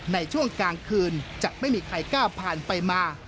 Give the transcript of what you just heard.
ในช่วงกลางคืนจะไม่มีใครกล้าผ่านไปมา